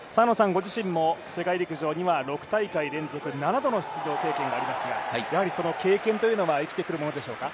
ご自身も世界上には６大会連続７度の経験がありますがやはり経験というのは生きてくるものですか？